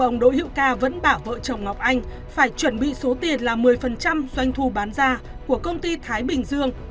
ông đỗ hữu ca vẫn bảo vợ chồng ngọc anh phải chuẩn bị số tiền là một mươi doanh thu bán ra của công ty thái bình dương